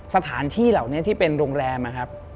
สถานที่เหล่านี้ที่เป็นโรงแรมนะครับ